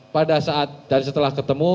pada saat dan setelah ketemu